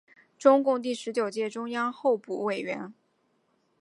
中共第十九届中央候补委员。